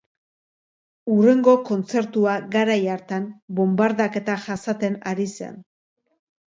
Hurrengo kontzertua garai hartan bonbardaketak jasaten ari zen.